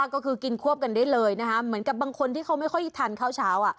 ก็คือกินควบกันได้เลยนะคะเหมือนกับบางคนที่เขาไม่ค่อยทานข้าวเช้า